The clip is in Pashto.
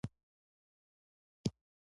خاوند: وایه څه بلا ده؟